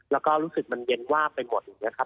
แล้วก็รู้สึกมันเย็นวาบไปหมดอย่างนี้ครับ